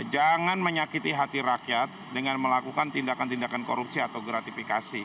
jangan menyakiti hati rakyat dengan melakukan tindakan tindakan korupsi atau gratifikasi